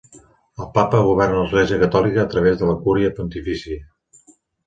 El papa governa l'Església Catòlica a través de la Cúria Pontifícia.